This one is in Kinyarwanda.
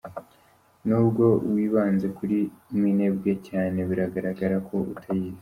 N’ubwo wibanze kuri Minembwe cyane, biragaragara ko utayizi.